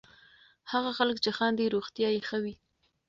هغه خلک چې خاندي، روغتیا یې ښه وي.